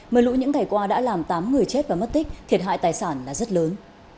mờ lũ những ngày qua đã làm tám người chết và mất tích thiệt hại tài sản là rất lớn